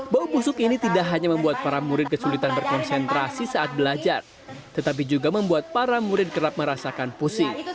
bau busuk ini tidak hanya membuat para murid kesulitan berkonsentrasi saat belajar tetapi juga membuat para murid kerap merasakan pusing